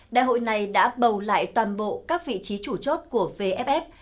đại hội này đã bầu lại toàn bộ các vị trí chủ chốt của vff